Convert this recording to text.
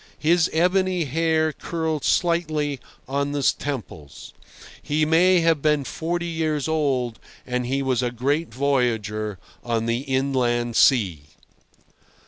His ebony hair curled slightly on the temples. He may have been forty years old, and he was a great voyager on the inland sea.